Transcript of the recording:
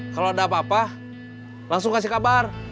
kalau ada apa apa langsung kasih kabar